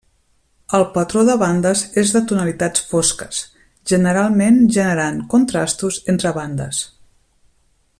El patró de bandes és de tonalitats fosques, generalment generant contrastos entre bandes.